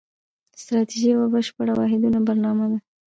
ستراتیژي یوه بشپړه واحده برنامه ده.